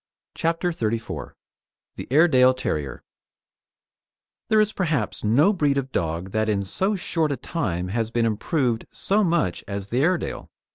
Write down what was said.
CHAPTER XXXIV THE AIREDALE TERRIER There is perhaps no breed of dog that in so short a time has been improved so much as the Airedale.